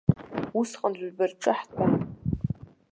Усҟан жәба рҿы ҳтәан.